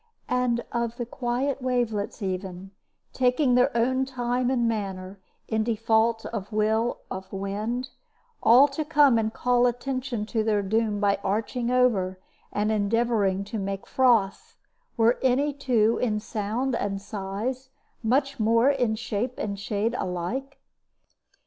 And of the quiet wavelets even, taking their own time and manner, in default of will of wind, all to come and call attention to their doom by arching over, and endeavoring to make froth, were any two in sound and size, much more in shape and shade, alike?